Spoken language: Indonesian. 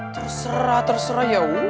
terserah terserah yaudah